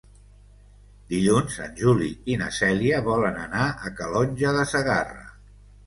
Dilluns en Juli i na Cèlia volen anar a Calonge de Segarra.